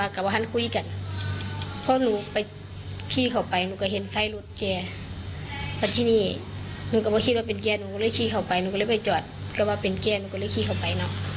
ก็ว่าเป็นแก่หนูก็เลยคิดเข้าไปเนาะ